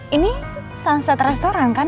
ini sunset restoran kan